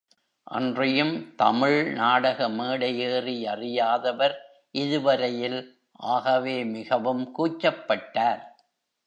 அன்றியும் தமிழ் நாடக மேடையையேறி அறியாதவர் இதுவரையில் ஆகவே மிகவும் கூச்சப்பட்டார்.